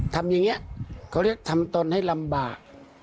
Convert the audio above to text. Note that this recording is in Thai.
ทำอย่างนี้เขาเรียกทำตนให้ลำบาก